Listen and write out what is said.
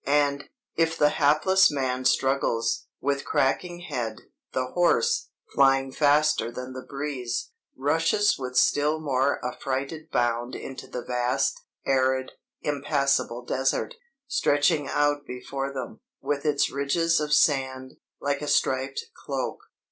"And, if the hapless man struggles, with cracking head, the horse, flying faster than the breeze, rushes with still more affrighted bound into the vast, arid, impassable desert, stretching out before them, with its ridges of sand, like a striped cloak.